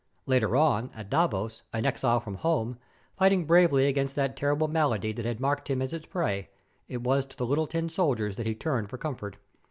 Later on, at Davos, an exile from home, fighting bravely against that terrible malady that had marked him as its prey, it was to the little tin soldiers that he turned for comfort.